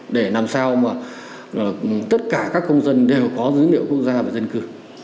để làm sao mà tất cả các công dân đều có dữ liệu quốc gia về dân cư